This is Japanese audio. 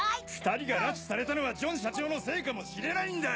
２人が拉致されたのはジョン社長のせいかもしれないんだ！